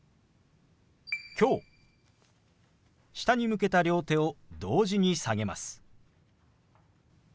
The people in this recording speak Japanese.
下に向けた両手を同時に下げます。